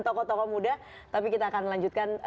tokoh tokoh muda tapi kita akan lanjutkan